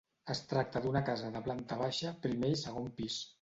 Es tracta d'una casa de planta baixa, primer i segon pis.